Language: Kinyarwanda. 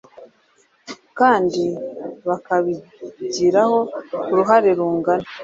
kandi bakabigiraho uruhare rungana.